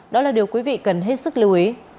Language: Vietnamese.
đó là điều quý vị cần hết sức lưu ý